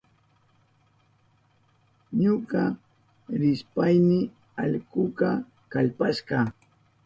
Ñuka rishpayni allkuka kallpashka.